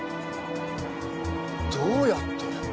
どうやって。